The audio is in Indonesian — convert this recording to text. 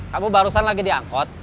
kamu barusan lagi diangkut